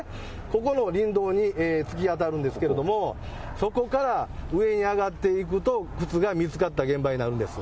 ここの林道に突き当たるんですけれども、そこから上に上がっていくと、靴が見つかった現場になるんです。